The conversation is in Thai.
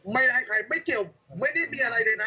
ไม่ให้ใครไม่เกี่ยวไม่ได้มีอะไรเลยนะ